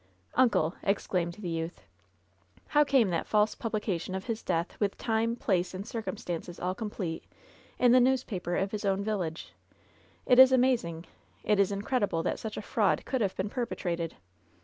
"Uncle 1" exclaimed the youth, *^ow came that false publication of his death, with time, place and circum stances all complete, in the newspaper of his own vil lage ? It is amazing. It is incredible that such a fraud could have been perpetrated."